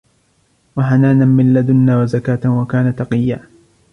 وَحَنَانًا مِنْ لَدُنَّا وَزَكَاةً وَكَانَ تَقِيًّا